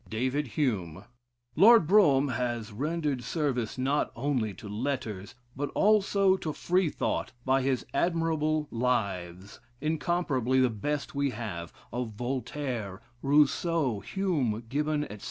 DAVID HUME Lord Brougham has rendered service not only to "Letters," but also to Freethought, by his admirable "Lives," incomparably the best we have, of Voltaire, Rousseau, Hume, Gibbon, etc.